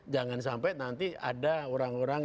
jangan sampai nanti ada orang orang